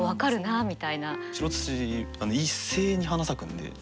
白躑躅一斉に花咲くんで。